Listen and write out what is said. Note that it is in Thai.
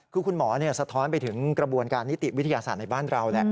คือคุณหมอสะท้อนไปถึงกระบวนการนิติวิทยาศาสตร์ในบ้านเราแหละ